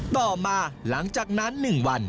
ต่อมาหลังจากนั้น๑วัน